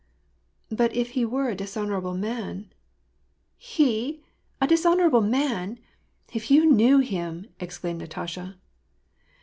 <* But if he were a dishonorable man ?"" He ! a dishonorable man ! If you knew him !" exclaimed Natasha.